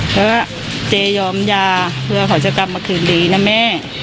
แล้วก็เจ๊ยอมยาเพื่อเขาจะกลับมาคืนดีนะแม่